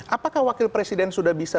apakah wakil presiden sudah bisa